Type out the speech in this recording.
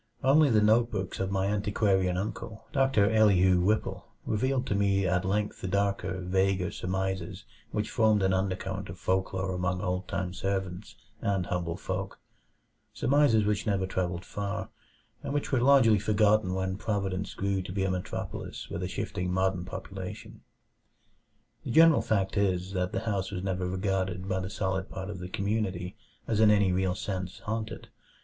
Only the notebooks of my antiquarian uncle, Doctor Elihu Whipple, revealed to me at length the darker, vaguer surmises which formed an undercurrent of folklore among old time servants and humble folk; surmises which never travelled far, and which were largely forgotten when Providence grew to be a metropolis with a shifting modern population. The general fact is, that the house was never regarded by the solid part of the community as in any real sense "haunted."